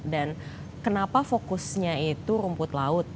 dan kenapa fokusnya itu rumput laut